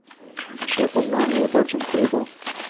সে পুণ্য আমিই উপার্জন করিব।